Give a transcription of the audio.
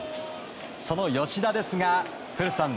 その吉田ですが古田さん